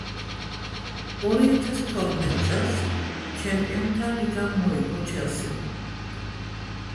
ორი ათას თორმეტ წელს ჩემპიონთა ლიგა მოიგო ჩელსიმ